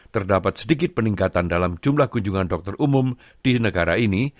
terdapat sedikit peningkatan dalam jumlah kunjungan dokter umum di negara ini